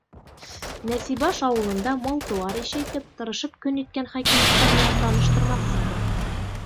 Нәсибаш ауылында мал-тыуар ишәйтеп, тырышып көн иткән Хәкимовтар менән таныштырмаҡсыбыҙ.